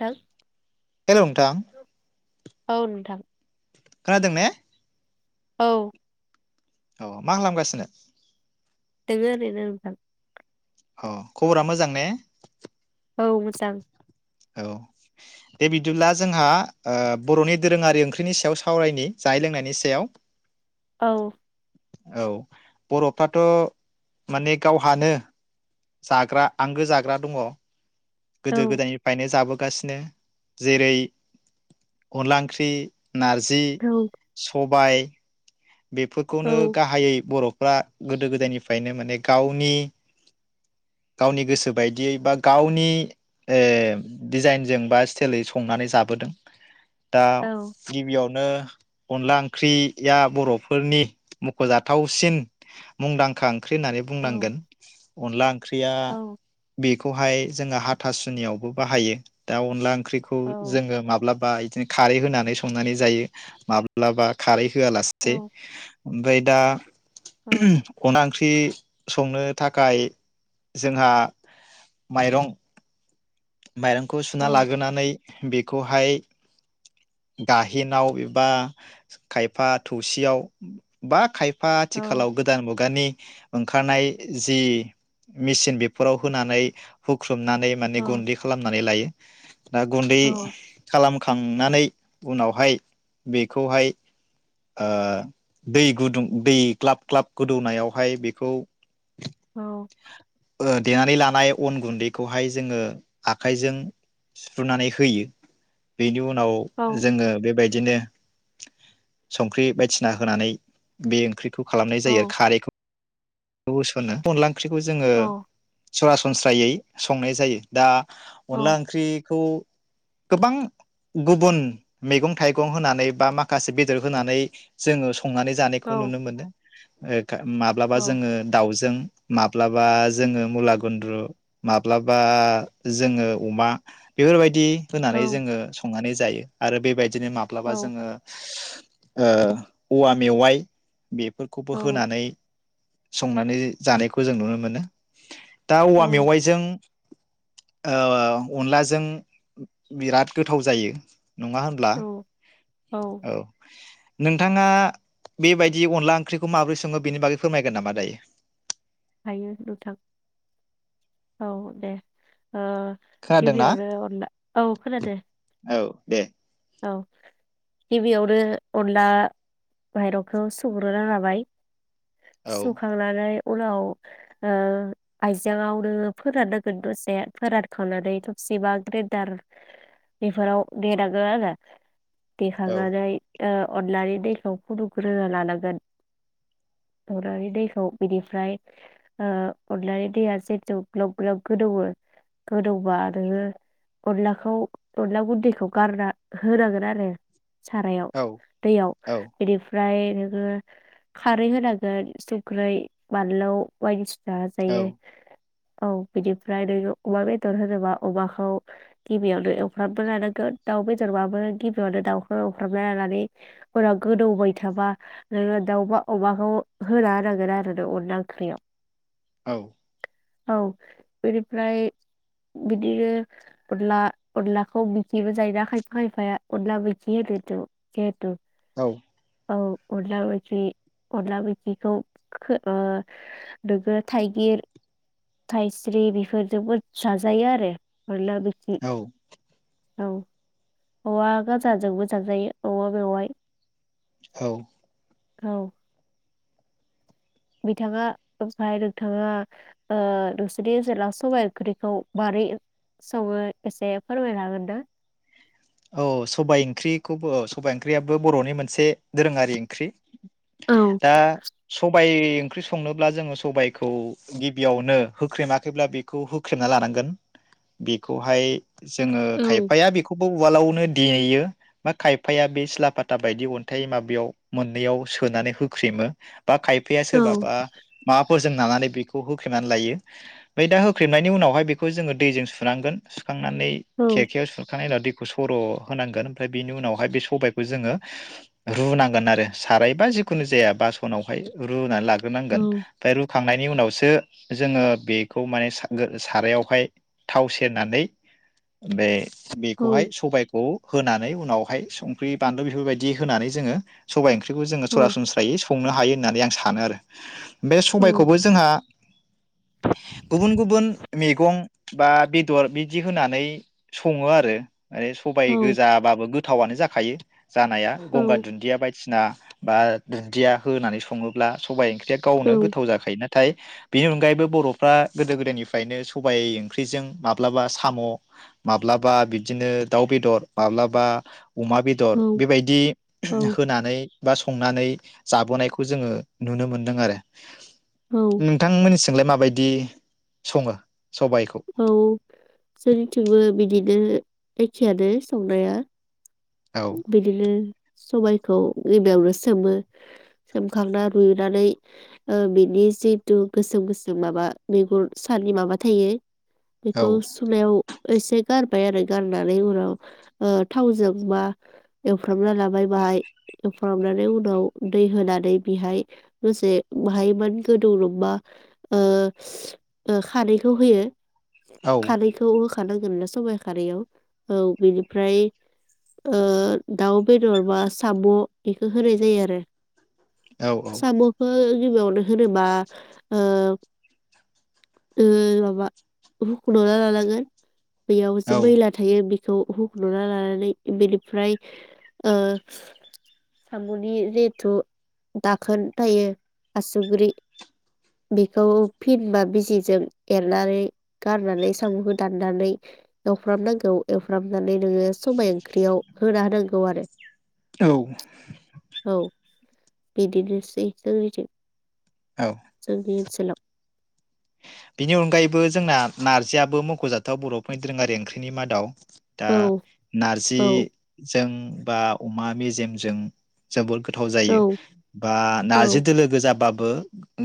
थां हेल' नोंथां औ नोंथां खोनादों ने औ औ मा खालामगासिनो दोङो आरैनो अ खबरा मोजां ने औ मोजां औ दे बिदिब्ला जोंहा ओ बर'नि दोरोङारि ओंख्रिनि सायाव सावरायनि जानाय लोंनायनि सायाव औ औ बर'फ्राथ' माने गावहानो जाग्रा आंगो जाग्रा दङ औ गोदो गोदायनिफ्रायनो जाबो गासिनो जेरै अनला ओंख्रि नारजि औ सब बाय औ बेफोरखौनो गाहायै बर फ्रा गोदो गोदायनिफ्रायनो माने गावनि गावनि गोसो बायदियै बा गावनि ओ डिजाइनजों बा स्टेलै संनानै जाबोदों। दा औ गिबियाव नो अनला ओंख्रिया बर'फोरनि मुख'जाथावसिन मुंदांखा। ओंख्रि होननानै औ बुंनांगोन अनला ओंख्रिया औ बे खौहाय जोङो हाथासुनिआवबो बाहायो दा अनला ओंख्रि ओंख्रिखौ औ जोङो माब्लाबा बिदिनो खारै होनानै संनानै जायो माब्लाबा खारै होआलासे औ ओमफ्राय दा औ [unintelligible] ओंख्रि संनो थाखाय जोंहा माइरं माइरंखौ सुना लागोनानै बेखौहाय गाइहेनाव एबा खायफा थौसियाव बा खायफा औ आथिखालाव गोदान मुगानि ओंखारनाय जि मेचिन बेफोराव होनानै हुखु मनानै माने औ गुन्दै खालामनानै लायो। दा गुन्दै औ खालाम खांनानै उनावहाय बेखौहाय ओ दै गुदुं दै ग्लाब ग्लाब गोदौनायावहाय बेखौ आरो ओ देनानै लानाय अन गुन्दैखौहाय जोङो आखाइजों सुफ्रुनानै होयो बेनि उनाव औ आव जोङो बेबायदि बिदिनो संख्रि बायदिसिना होनानै बे ओंख्रि खौ खालामनाय जायो खारैखौ होसनो अनला ओंख्रिखौ जोङो सरासनस्रा सनस्रायै संनाय जायो दा अनला ओंख्रिखौ गोबां गुबुन मैगं थाइगं होनानै बा माखासे बेदर होनानै जोङो संनानै जानायखौ नुनो मोनो माब्लाबा जोङो दाउजों माब्लाबा जोङो मुला गुन्द्रु माब्लाबा जोङो अमा बेफोरबायदि होनोनानै जोङो संनानै जायो आरो बेबायदि बिदिनो माब्लाबा जोङो औवा मेवाइ बेफोरखौबो होनानै संनानै जानायखौ जों नुनो मोनो दा औवा मेवाइजों अनलाजों बिराद गोथाव जायो नङा औ होनब्ला औ नोंथाङा बेबायदि अनला ओंख्रिखौ माबोरै सङो बेनि बागै फोरमायगोन नामा दायो हायो नोंथां औ दे खोनादोंना गिबियावनो अनला औ खोनादों औ दे औ गिबियावनो अनला माइरंखौ सुग्रोना लाबाय औ सुखांनानै उनाव ओ आइजांआव नो फोराननांगोन दसे फोरानखांनानै थबसिबा ग्रेदार बेफोराव दे [unintelligible] देखांनानै ओ अनलानि दैखौ फुदुंग्रोना लानांगोन अनलानि दैखौ बिनिफ्राय ओ अनलानि दैया जेत ग्लब ग्लब गोदौवो गोदौबा नोङो अनलाखौ अनला गुन्दैखौ गारना होनांगोन आरो सारायाव औ दैयाव औ बिनि ओमफ्राय नोङो खारै होनांगोन सुंख्रै बानलौ बाय औ जाजायो औ बिनिफ्राय नोङो अमा बेदर होनोबा अमाखौ गिबियावनो एवफ्रामनो लानांगोन दाउ बेदरबाबो गिबियावनो दाउखौ एवफ्रामना लानानै उनाव गोदौबाय थाबा नोङो दाउ अमाखौ होना होनांगोन आरो नों अनला ओंख्रियाव औ औ बेनिफ्राय बिदिनो अनला अनलाखौ बिदिबो जायोना खायफा खायफाया अनब्ला मोखि होदोथ' जिहेथु औ औ अनला मैख्रि अनला मैखिखौ नोङो थाइगिर थाइस्रि बेफोरजोंबो जाजायो आरो अनला मैखि औ औ औवा गाजाजोंबो जांजायो औवा मेवाय औ औ बिथाङा ओमफ्राय नोंथाङा ओ नोंसोरनि ओनसोलाव सबाय ओख्रिखौ मोरै सङो एसे फोरमायनो हागोन ना? औ सबाइ ओंख्रिखौबो औ सबाइ ओंख्रियाबो बर'नि मोनसे दोरोङारि ओंख्रि। औ दा सबाइ बे ओंख्रि संनोब्ला जोङो सबायखौ गिबियावनो होख्रेमाखैब्ला बेखौ होख्रेमना लानांगोन बेखौहाय जोङो औ खायफाया बेखौ उवालावनो देयो बा खायफाया बे सिला फाता बायदि अन्थाइ माबायाव मोननैयाव सोनानै होख्रेमो। बा खायफाया औ सोरबाबा माबाफोरजों नानानै बेखौ खौ होख्रेमनानै लायो ओमफ्राय दा होख्रेमनायनि उनावहाय बेखौ जोङो दैजों सुनांगोन सुखांनानै औ खेरखायाव सुखांनाय उनाव दै सर‌ होनांगोन ओमफ्राय बेनि उनाव बे सबाइखौ जोङो रुनांगोन आरो साराय बा जेखुनुजाया बासनावहाय रुनानै लाग्रो औ नांगोन ओमफ्राय रुखांनायनि उनावसो जोङो बेखौ माने सारायावहाय थाव सेरनानै बे औ हाय सबायखौ होनानै उनावहाय संख्रि बानलु बेफोरबायदि होनानै जोङो सबाय ओंख्रि ख्रिखौ जो औ सरासनस्रायै संनो हायो होननानै आं सानो आरो बे औ सबायखौबो जोंहा गुबुन गुबुन मैगं बा बेदर बिदि होनानै सङो आरो सबाय औ गोजाबाबो गोथावआनो जाखायो थायो जानाया औ गंगार दुन्दिया बायदिसिना बा दुन्दिया होनानै सङोब्ला सबायाइ ओंख्रि गावनो गोथाव जाखायो नाथाय बेनि अनगायैबो बर'फ्रा गोदो गोदायनिफ्रायनो सबाइ ओंख्रिजों माब्लाबा साम' माब्लाबा बिदिनो दाउ बेदर माब्लाबा अमा बेदर औ बेबायदि औ होनानै बा संनानै जाबोनायखौ जोङो नुनो मोनदों आरो औ नोंथांमोननिसिम नोंलाय माबायदि सङो सबायखौ औ जोंनिथिंबो बिदिनो एखेयानो संनाया औ बिदिनो सबाइखौ गिबियावनो सोमो सोमखांना रुइनानै बिनि जिथु गोसोम गोसोम माबा मैगन सानि माबा थायो बेखौ सुनायाव एसे गार बाय आरो गाननानै उनाव थावजों बा एवफ्रामना लाबाय बाहाय एवफ्रामनानै उनाव दै होनानै बेहाय दसे बाहाय मान गोदौदोंबा खारैखौ होयो औ खारैखौ नांगोन ना सबाइ खारैयाव औ बिनिफ्राय दाउ बेदर बा साम' बेखौ होनाय जायो आरो औ साम'खौ गिबियावनो होनोबा ओ ओमाबा रुख'ना लानांगोन बेयाव जे औ मैला थायो बेखौ औ [unintelligible] लानानै बेनिफ्राय ओ साम'नि जेथु दाखोन थायो आसुग्रि बेखौ फिनबा बिजिजों एरनानै गारनानै साम'खौ दाननानै एवफ्रामनांगौ एवफ्रामनानै नोङो सबाइ ओंख्रियाव होना होदों गौ आरो औ औ बिदिनोसै जोंनिथि औ जोंनि ओनसोलाव बिनि अनगायैबो जोंना नारजियाबो मख'जाथाव बर'फोरनि दोरोङारि ओंख्रिनि मादाव दा औ औ नारजिजों बा अमा मेजेमजों जोबोर गो थाव औ जायो बा नारजि औ दोलो गोजाबा बो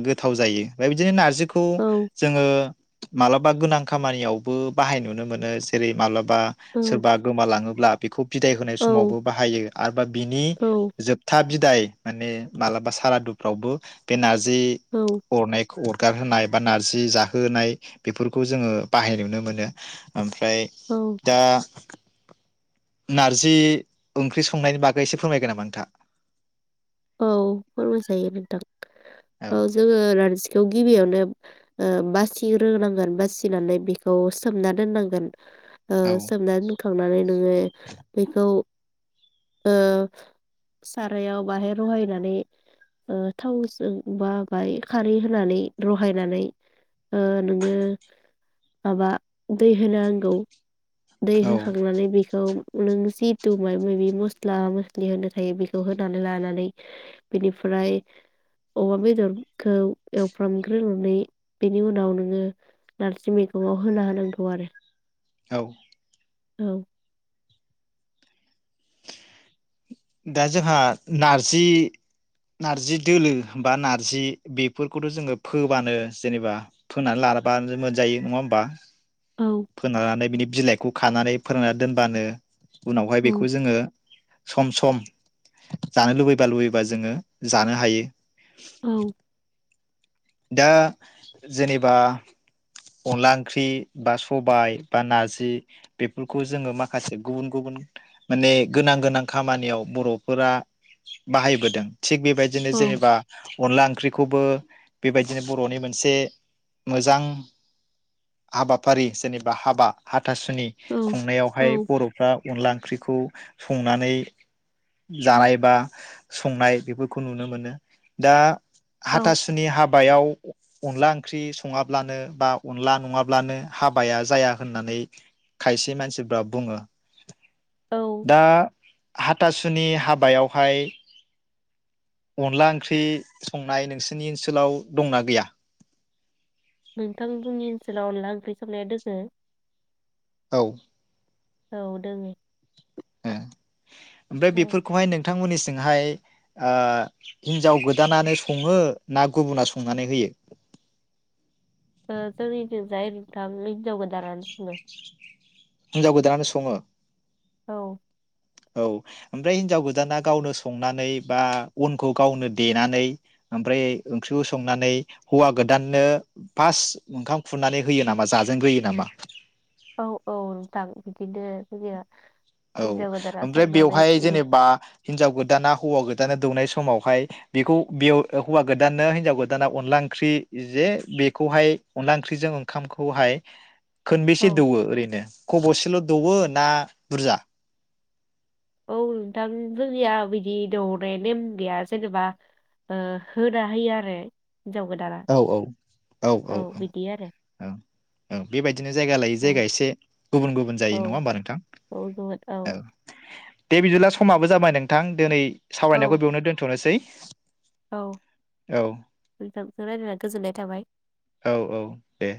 गोथाव जायो फाय बिदिनो नार जिखौ औ ओ मालाबा गोनां खामानियावबो बाहाय नुनो मोनो जेरै माला बा औ सोरबा गोमालाङो ब्ला बेखौ बिदाय होनाय औ समावबो बाहायो आरोबा बिनि औ जोबथा बि दाय माने मालाबा सारादुफ्रावबो बे नार जि औ अरनाय अरगार होनाय बा नार जि जाहोनाय बेफोरखौ जोङो बाहाय नुनो मोनो ओम फ्राय औ दा नारजि ओंख्रि संनायनि बागै एसे फोरमायगोन नामा नोंथाङा औ फोरमाय जायो नोंथां औ जोङो नारजिखौ गिबियावनो ओ बासिग्रो नांगोन बासिनानै बेखौ सोमना दोननांगोन। ओ औ सोमना दोनखांनानै नोङो बेखौ ओ सारायाव बाहेर रहायनानै ओ थावजों बा बाय खारै होनानै रहायनानै ओ नोङो माबा दै होनांगौ। दै औ होखांनानै बेखौ नों जिथु मायबा माबि मस्ला मस्लि होनो थायो बेखौ होनानै लानानै बेनिफ्राय अमा बेदरखौ एवफ्रामग्रोनानै बेनि उनाव नोङो नारजि मैगंआव होना होनांगौ आरो औ औ दा जोंहा नारजि नारजि दोलो बा नार्जि बेफोरखौथ' जोङो फोबानो जेनेबा फोनानै लाबानो मोनजायो नङा होमबा? औ फोना लानानै बिनि बिलाइखौ खानानै फोराना दोनबानो उनावहाय बिख' औ ङो सम सम जानो लुबैबा लुबैबा जोङो जानो हायो। औ दा जेनेबा अनला ओंख्रि बा सबाय बा नारजि बेफोरखौ जोङो माखासे गुबुन गुबुन माने गोनां गोनां खामानियाव बर'फोरा बाहायबोदों। थिग बेबायदिनो औ जेनेबा अनला ओंख्रिखौ खौबो बेबायदिनो बर'नि मोनसे मोजां हाबाफारि जेनेबा हाबा हा हाथासुनि औ औ खुंनायावहाय बर'फ्रा अनला ओंख्रिखौ संनानै जानाय बा संनाय बेफोरखौ नुनो मोनो दा औ हाथासुनि हाबायाव अनला ओंख्रि संङाब्लानो बा अनला नङाब्लानो हाबाया जाया होननानै खायसे मानसिफोरा बुङो औ दा हाथासुनि हाबायावहाय अनला ओंख्रि संनाय नोंसोरनि ओनसोलाव दंना गैया? नोंथां जोंनि ओनसोलाव अनला ओंख्रि संनाया दोङो। औ औ दोङो ओमफ्राय औ बेफोरखौहाय नोंथांमोननिसिम थिंहाय ओ हिजाव ओ गोदानानो सङो ना गुबुना संनानै होयो। ओ जोंनिजाय नोंथां हिनजाव गोदानानो सङो। हिनजाव गोदानानो सङो औ औ ओमफ्राय हिनजाव गोदाना गावनो संनानै बा अनखौ गावनो देनानै ओमफ्राय ओंख्रिखौ संनानै हौवा गोदाननो फार्स्ट ओंखाम खुरनानै होयो नामा जाजेनग्रोयो नामा? औ औ नोंथां बिदिनो होयो औ ओमफ्राय बेवहाय जेनेबा हिनजाव गोदाना हौवा गोदाना दौनाय समावहाय बेखौ बेयाव हौवा गोदाननो हिनजाव गोदाना अनला ओंख्रि जे बेखौहाय अनला ओंख्रिजों ओंखामखौहाय खोनबेसे औ दौवो ओरैनो खब'सेल' दौवो ना बुरजा औ नोंथां जोंनिया बिदि दौनाय नेम गैया जेनेबा होना होयो आरो गोदाना औ औ औ औ औ बिदि आरो औ औ बेबायदिनो जायगा लायै औ जायगा एसे गुबुन गुबुन जायै औ नङा होमबा नोंथां औ गुबुन औ दे बिदिला समाबो जाबाय नोंथां दिनै औ सावरायनायखौ बेयावनो दोनथ'नोसै औ औ नोंथांजों रायलायनानै गोजोननाय थाबाय औ औ दे